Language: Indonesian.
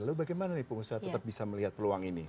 lalu bagaimana nih pengusaha tetap bisa melihat peluang ini